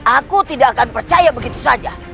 aku tidak akan percaya begitu saja